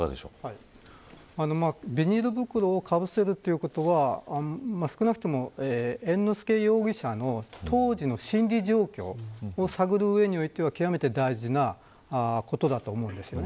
ビニール袋をかぶせるということは少なくとも猿之助容疑者の当時の心理状況を探る上では極めて大事なことだと思います。